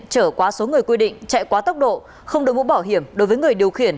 trở quá số người quy định chạy quá tốc độ không đổi mũ bảo hiểm đối với người điều khiển